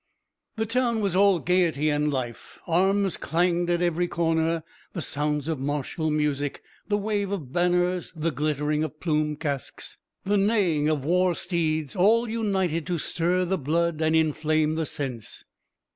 The town was all gaiety and life, arms clanged at every corner, the sounds of martial music, the wave of banners, the glittering of plumed casques, the neighing of war steeds, all united to stir the blood and inflame the sense.